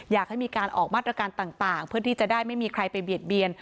อยากให้มีการออกมาตรการต่างเพื่อที่จะได้ไม่มีใครไปเบียดเบียน